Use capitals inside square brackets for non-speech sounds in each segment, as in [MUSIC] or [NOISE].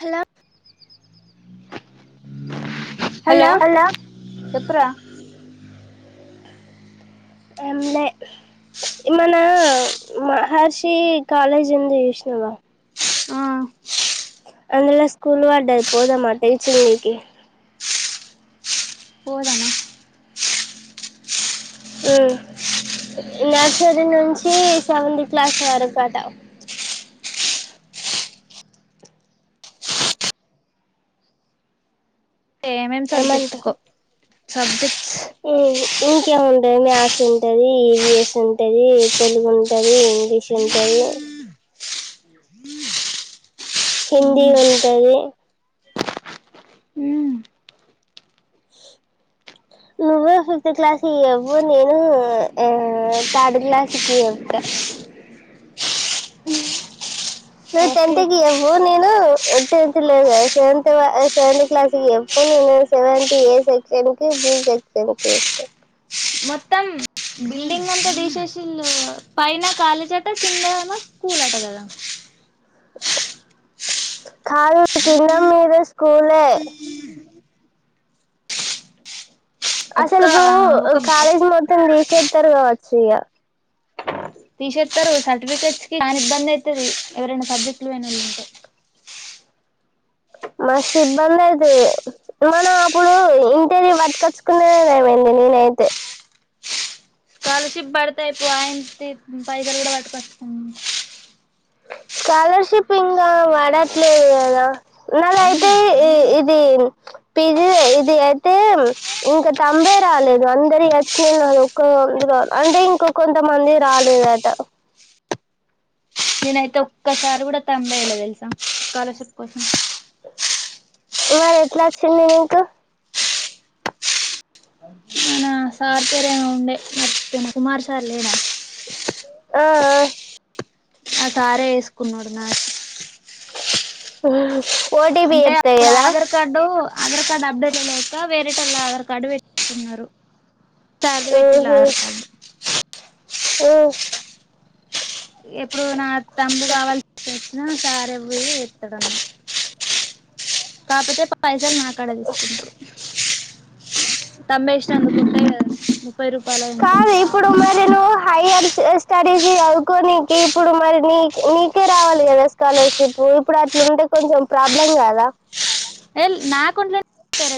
Hello hello చెప్పురా ఏం లే ఏమన్నా మహర్షి కాలేజ్ ఉంది చూస్నావా అందులో స్కూల్ బడ్డది పోదమా టీచింగ్ కి పోదామా ఉమ్ నర్సరీ నుంచి సెవెంత్ క్లాస్ వరకు అట ఏమేం ఏమంటావ్ సబ్జెక్టుకో సబ్జక్ట్స్ ఇంకేముంటది మ్యాథ్స్ ఉంటంది ఈవిఎస్ ఉంటది తెలుగు ఉంటంది ఇంగ్లీష్ ఉంటది ఏ హిందీ ఉంటది నువ్వు ఫిఫ్త్ క్లాస్ కి చెప్పు నేను థర్డ్ క్లాస్కి చెప్తా నువ్వు ఓకే టెన్త్ కి చెప్పు నేను టెన్త్ లేదు గదా సెవెన్త్ వ సెవెన్త్ క్లాస్ కి చెప్పు నేను సెవెన్త్ ఎ సెక్షన్ కి బి సెక్షన్ కి జెప్త తీసేసిళ్ళు పైనా కాలేజ్ అట కింద ఏమో స్కూల్ అట గదా కాదు కింద మీద స్కూలే ఒక్క అసలుకు ఒక కాలేజ్ మొత్తం తీసేత్తరు గావచ్చు ఇగ తీసేస్తారు సర్టిఫికెట్స్ కి చానా ఇబ్బంది అయితది ఎవరైనా సబ్జెక్ట్లు పోయినోళ్లుంటే మస్తు ఇబ్బంది అయితది మనం అప్పుడు ఇంటిది పట్టుకచ్చుకునేదేమైంది. నేనైతే స్కాలర్ షిప్ పడ్తాయి [UNINTELLIGIBLE] పైసలు గూడా పట్టకొంచ్చుకుందాం స్కాలర్షిప్ ఇంగా బడట్లేదు కదా నాదయితే ఇది పిజిది ఇది అయితే ఇంకా తంబే రాలేదు అందరి వచ్చినయి నాది ఓక అందుగా అంటే ఇంక కొంతమందివి రాలేదట నేనైతే ఒక్కసారి గూడా థంబ్ ఎయిలా తెలుసా స్కాలర్షిప్ కోసం మరి ఎట్లా వచ్చింది నీకు అక ఆ సార్ పేరేమో ఉండే మర్చిపోయినా కుమార్ సార్ లేడా ఆ ఆ సారే ఏసుకున్నాడు నాది ఉమ్ ఓటిపి అంటే చెప్పే అప్పుడు లేదా ఆధార్ కార్డు ఆధార్ కార్డు అప్డేటే లేక వేరేటోళ్ళ ఆధార్ కార్డు పెట్టుకున్నారు సార్ ది పెట్టిల్లు ఆధార్ కార్డు ఓ ఇప్పుడు నా థంబ్ కావల్సొచ్చిన సారే పోయి ఎత్తడన్నట్టు కాకపోతే పైసలు నాకాడా తీసుకుంటరు. తబ ఇష్ట అందు గుుట్ట కాదు ఇప్పుడు మరి ను్ హైయర్ స్టడీస్ చదువుకో నీనికి ఇప్పుడు మరి నీ నీకే రావాలి కదా స్కాలర్షిప్ ఇప్పుడు అట్లుంటే కొంచెం ప్రాబ్లం కాదా ఎల్ నాకు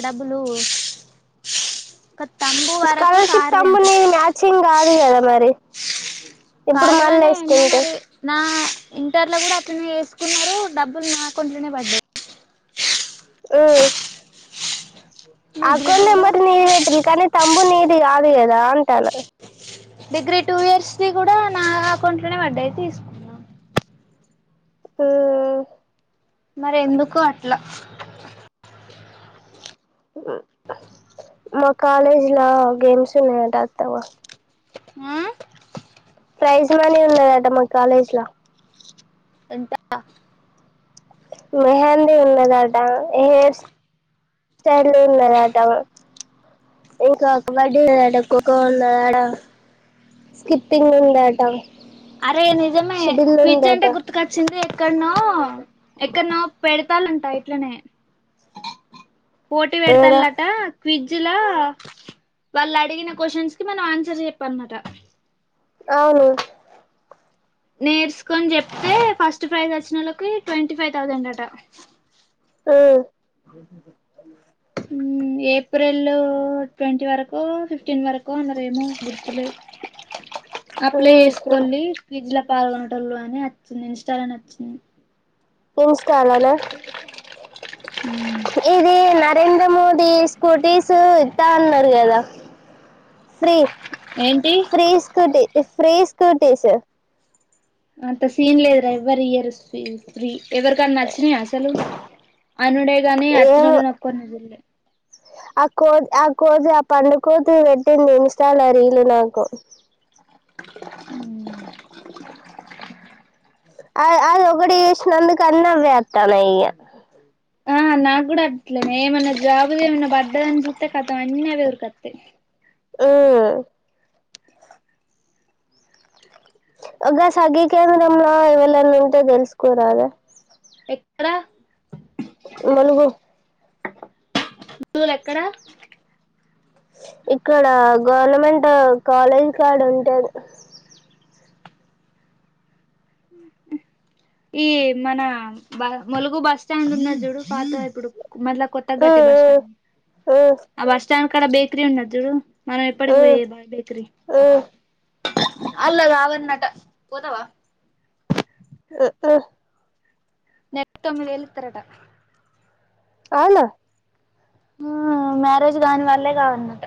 డబ్బులు తంబు వరకు స్కాలర్షిప్ సార్ది అంతే తమ్మునీది మ్యాచింగ్ కాదు కదా మరి ఇప్పుడు కాదు మళ్ళీ కానీ ఎన్న వేసుకుంటే మరి నా ఇంటర్ లో కూడా అతనే వేసుకున్నారు డబ్బులు నాకంట్లోనే పడ్డాయి హ్మ్మ్ డిగ్రీలో అకౌంట్ కూడా నెంబట్ నీది పెట్టాల్ల కానీ థంబ్ నీది గాదు గదా అంటాన్న డిగ్రీ టూ ఇయర్స్ ది గూడా నా అకౌంట్ లోనే పడ్డాయి తీసుకున్నా హ్మ్మ్ మరి ఎందుకు అట్లా మా కాలేజ్ గేమ్స్ ఉన్నాటతవా హ్మ్మ్ ప్రైజ్ మనీ ఉన్నారట మా కాలేజ్ లో ఎంత మెహందీ ఉన్నదట ఏర్ సలే మదవా [UNINTELLIGIBLE] ఇంకా కబడ్డీడ ఎక్క్కక్క ఉన్నా ఆడ స్కిప్పింగ్ ఉందాటా అరే నిజమే క్విజ్ అంటే గుర్తుకొచ్చింది ఎక్కడనో ఎక్కడనుపెడతాలంటా ఇట్లనే పోటీ ఏడా పెడతాల్ట క్వి లా వాళ్ళు అడిగిన క్వశ్చన్స్ కి మనం ఆన్సర్ చెప్పన్నట అవును నేర్చుకొని చెప్తే ఫస్ట్ ప్రైజ్ వచ్చిన వాళ్ళకి ట్వంటీ ఫైవ్ థౌజండ్ అట హ్మ్మ్ ఏప్రిల్ ట్వంటీ వరకు ఫిఫ్టీన్ వరకు అన్నారురేమో గుర్తులే అప్లై ఉమ్ ఉమ్ చేసుకోండిఫ్రిడ్జ్ లో పాల్గొనటళు అని వచ్చింది ఇన్స్టాలోని వచ్చింది ఇన్స్టాలనా ఇది నరేంద్ర నరేంద్ర మోదీ స్కూటీస్ ఇద్దా అన్నారు కదా ఫ్రీ ఏంటి ఫ్రీస్కటీ ఫ్రీస్కటీస్ అంత సీన్లేదు రా ఎవరి ఇయర్ ఫ్రీ ఎవరికన్నా నచ్చినాయి అసలు అనుడేగానీ అచ్చిన ఏమో వాళ్ళ ఒకరిని చూడలే ఆ కోతి ఆ కోతి ఆ పడు కోతు పెట్టింది ఇన్స్టాల్ లో రీలు నాకు అ ఆ అది ఒక ఒకటి వేసినందు అన్ని అవే వత్తన్నయ్ ఆ నాకు కూడా అట్లేదు ఏమన్నా జాబులు ఏమన్నా పడ్డదని చూస్తే కతం అన్నీ అవి ఎవరి కత హ్మ్మ్ ఒక సగీ కేంద్రంలో ఎవళన్నా ఉంటే తెలుసుకోరదా ఎక్కడ ములుగు నుల ఎక్కడా ఇక్కడ గవర్నమెంట్ కాలేజ్ కాడ ఉంటేది ఈ మన బ ములుగు బస్ స్టాండ్ ఉన్న చూడు పాత ఇప్పుడు మదల కొత్త గట్టె బస్ ఉమ్ స్టాండ్ ఉమ్ ఆ బస్ స్టాండ్ కడ బేకరీ ఉండదు చూ మనం ఉమ్ ఎప్పటికి ఉమ్ పోయే బా బేకరీ ఉమ్ అల్లా కావన్నట పోతావా ఆ ఆ నెలకు తమి వెళ్ళ ఇస్తారంట అవునా మ్యారేజ్ లని వల్లే కావన్నట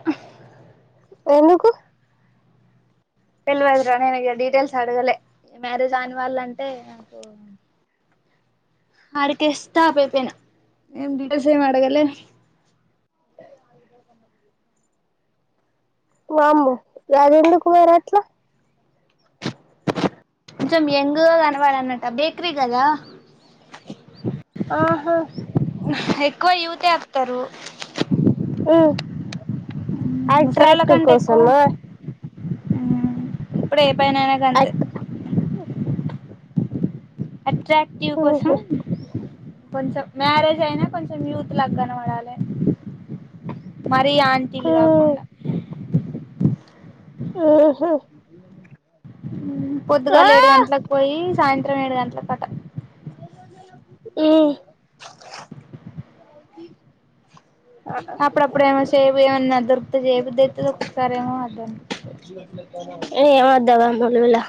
ఎందుకు తెలవదు రా నేను ఈగ డీటెయిల్స్ అడగలే మ్యారేజ్ కాని వాళ్ళంటే నాకు ఆడికే స్టాప్ అయిపోయిన ఇక డీటెయిల్స్ ఏం అడగలే వామ్మో గది ఎందుకు మరి అట్లా కొంచెం ఎయంగుగా కనవాలన్నట బేకరీ కదా ఆహా ఎక్కువ ఉస్ చేతారు మ్మ్ అట్రాక్టివ్ కోసమా ఇప్పుడు ఏ పనైనా గంతే అట్ అట్రాక్టివ్ కోసం ఊహు కొంచెం మ్యారేజ్ అయినా కొంచెం యూత్ లాగా కనపడాలే మరి ఆంటీలు మ్మ్ కాకుండా ఆహా పొద్దుగాల ఏడు గంటలకు పోయి సాయంత్రం ఏడు గంటలకు కంట ఇ అప్పుడప్పుడు ఏమో చెయ్ వే అనా దొరుకుతే చేయబుద్ధి అయితది ఒక్కొక్కసారి ఏమో వద్దం హే ఏమి వద్దు ఆ లొల్లిలా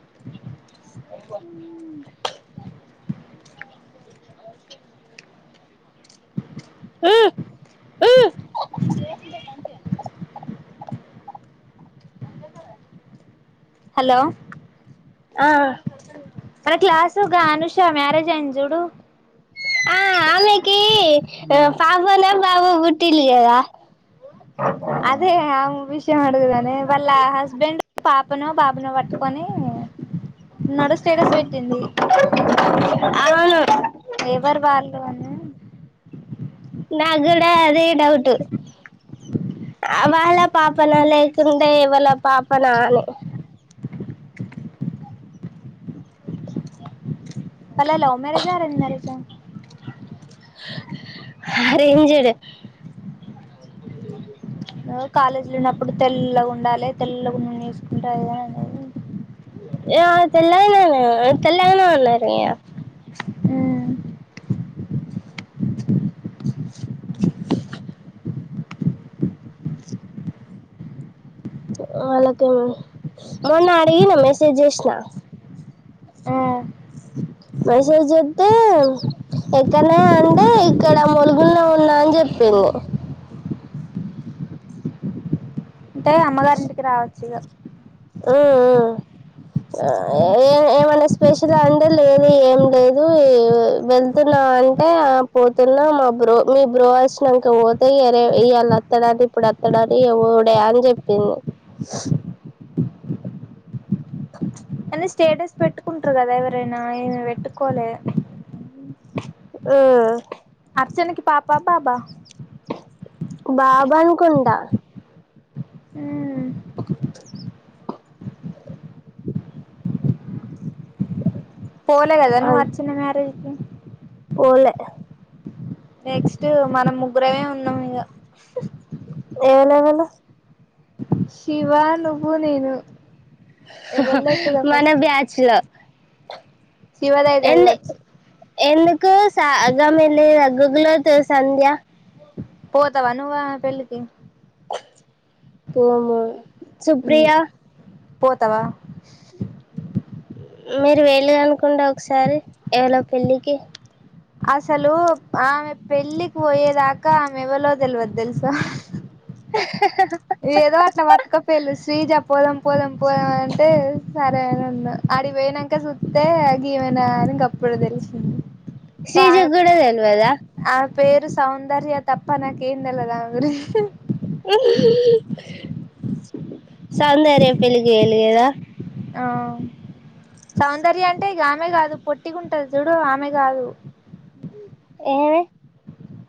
హ మ్మ్ మ్మ్ అర్థం కాదా నీకు చెప్తే హలో ఆ మన క్లాస్ ఉగా అనూషా మ్యారేజ్ అయింది చూడు ఆమాకి పాపనా బాబో పుట్టిరు కదా అదే అ వి ఏం ఆడదు గాని వాళ్ళ హస్బెండ్ పాపనో బాబునో పట్టుకొని నాడు స్టేటస్ పెట్టింది అవును ఎవరు వాళ్ళు అని నాకు కూడా అదే డౌట్ వాళ్ళ పాపన లేకుండే ఎవలా పాపన అని వాళ్లది లవ్ మ్యారేజ్ ఆరెంజ్ మ్యారేజా అరేంజ్ డే కాలేజీలో ఉన్నప్పుడు తెల్లగా ఉండాలే తెల్లగా ఉన్నోడినే చేసుకుంటా అది ఇది అనేది ఆ తెల్లగానే ఉన్నారు తెల్లగానే ఉన్నారు ఇగా మ్మ్ వాళ్ళకా మొన్న అడిగిన మెసేజ్ చేసిన ఉమ్. మసేజ చేస్తే ఎక్కనే అంటే ఇక్కడ ములుగులో ఉన్నా అని చెప్ప చెప్పింది అంటే అమ్మగారింటికి రావచ్చు ఇక మ్మ్ మ్మ్ ఏ ఏ ఏమో ఏమన్నా స్పెషల్ ఆ అంటే లేదు ఏం లేదు వెళ్తున్నా అంటే ఆ పోతున్నాం మా బ్రో మీ బ్రో వచ్చినాక పోతే ఇగరే ఇయ్యాల అత్తడంట ఇప్పుడు అత్తడంట ఇగ పోవుడే అని చెప్పింది చెపింది కానీ స్టేటస్ పెట్టుకుంటారు కదా ఎవరైనా ఇమ్మ పెట్టుకోలే ఆ అర్చనకి పాప బాబా బాబనుకుంటా హ్మ్మ్ బ పోలే కదా ను అర్చ్చన మ్యారేజ్కి పోలే నెక్స్ట్ మనం ముగ్గురమే ఉన్నాం ఇగా ఎలేలేవ్ శివ నువ్వు నేను ఎవళ అవుతుదా మన ఫస్ట్ బ్యాచ్ లో శివదయ ఎందు చదవచ్చు ఎందుకు సా గామే లేదా గుగ్లోత్ సంధ్య పోతవా ను ఆ పేళ్లికి పోము సుప్రియా పోతవా మీరు వెళ్లిరనుకుంట ఒకసారి ఎవలో పెళ్ళికి అసలు ఆమె పెళ్ళికి పోయేదాకా ఆమె ఎవలో తెలివదు తెలుసా ఏదో అట్లా పట్టకపోయిళ్ళు శ్రీజ పోదాం పోదాం పోదాం అంటే సరే అని అన్న. అడికిపోయినంక సుత్తే గిమేన అని గప్పుడు తెలిసింది ఆమె శ్రీజగ్గూడ తెల్వదా ఆమె పేరు సౌందర్య తప్ప నాకేందెలవదామెగురించి సౌందర్య పెళ్లికి పోయిండ్లు గద ఆ సౌందర్య అంటే గామె కాదు పొట్టిగుంటది చూడు ఆమె కాదు ఏమె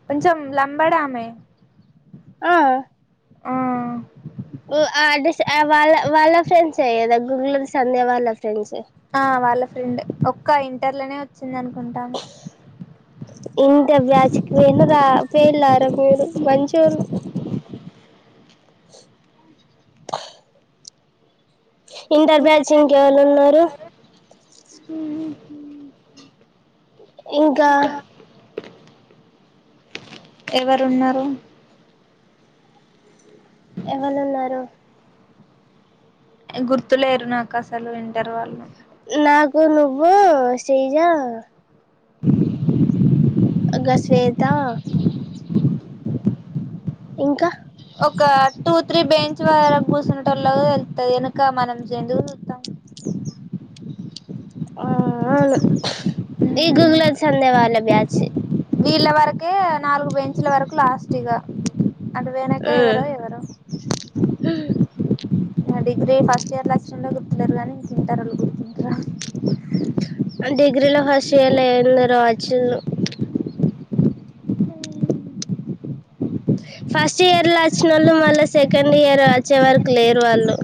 కొంచెం లంబాడామె. ఆ ఆ ఆ వాళ్ళ వాళ్ళ ఫ్రెండ్సే కదా గుగ్లోత్ సంధ్య వాళ్ళ ఫ్రెండ్సే ఆ వాళ్ళ ఫ్రెండే ఒక్క ఇంటర్ లోనే వచ్చి ఇంట బ్యాచ్కీ పోయిండ్లు రా పోయిండ్ల రా మీరు మంచోరు ఇంటర్ బ్యాచ్ ఇంకెవలున్నారు. ఉహు ఇంకా ఎవరున్నారు ఎవలున్నారు గుర్తులేరు నాకు అసలు ఇంటర్ వాళ్ళు నాకు నువ్వు శ్రీజా గా శ్వేత ఇంకా ఒక టూ త్రీ బెంచ్ వరకు కూసునేటోల్లు తెలుత్తది ఎనుక మనమెందుకు సూత్తం ఆ అవును ఈ గుగ్లోత్ సంధ్య వాాళ్ళ బ్యాచ్ వీళ్ళ వరకే నాలుగు బెంచ్ల వరకు లాస్టిఇగా. అటు పోయినాక ఎవరో ఎవరో నా డిగ్రీ ఫస్ట్ ఇయర్ ల ఆచినొల్లే గుర్తులేరు గానీ ఇంటరోల్లు గుర్తుంటరా డిగ్రీలో ఫస్టియర్లో ఎందరో వచ్చిన్లు ఫస్ట్ ఇయర్ లో వచ్చిన వాళ్ళు మళ్ళా సెకండ్ ఇయర్ వచ్చే వరకు లేరు వాళ్ళు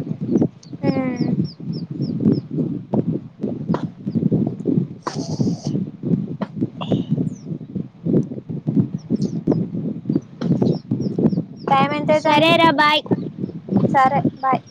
టైం ఎంత సరేరా అయితాంది బాయ్ సరే బాయ్